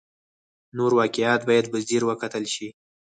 نور واقعیات باید په ځیر وکتل شي.